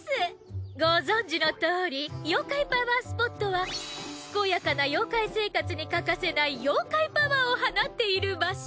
ご存じのとおり妖怪パワースポットは健やかな妖怪生活に欠かせない妖怪パワーを放っている場所。